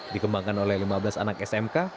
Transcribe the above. dikembangkan oleh lima belas anak smk